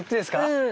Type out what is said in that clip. うん。